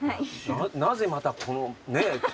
なぜまたこのねえ？